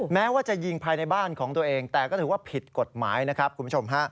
แม้ว่าจะยิงภายในบ้านของตัวเองแต่ก็ถือว่าผิดกฎหมายนะครับคุณผู้ชมฮะ